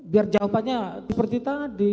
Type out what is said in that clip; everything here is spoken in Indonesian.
biar jawabannya seperti tadi